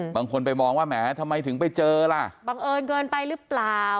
บางคนไปมองว่าแหมทำไมถึงไปเจอล่ะบังเอิญเกินไปหรือเปล่า